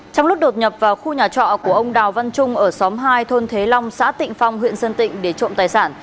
trong lúc đột nhập vào khu nhà trọ của ông đào văn trung ở xóm hai thôn thế long xã tịnh phong huyện sơn tịnh để trộm tài sản